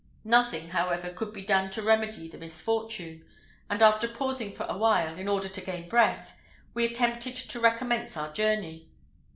Nothing, however, could be done to remedy the misfortune; and, after pausing for a while, in order to gain breath, we attempted to recommence our journey.